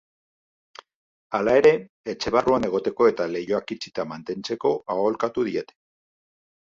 Hala ere, etxe barruan egoteko eta leihoak itxita mantentzeko aholkatu diete.